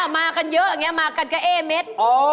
มากันเยอะอย่างนี้มากันก็เอ๊เม็ด